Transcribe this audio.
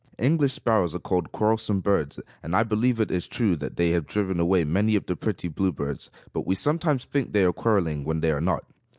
English sparrows are called quarrelsome birds, and I believe it is true that they have driven away many of the pretty bluebirds, but we sometimes think they are quarreling when they are not.